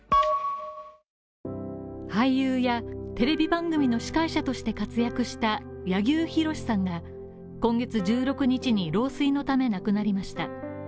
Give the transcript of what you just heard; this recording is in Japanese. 俳優やテレビ番組の司会者として活躍した柳生博さんが今月１６日に老衰のため亡くなりました。